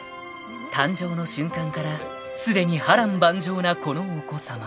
［誕生の瞬間からすでに波瀾万丈なこのお子さま］